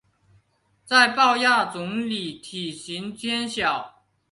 在豹亚种里体型偏小。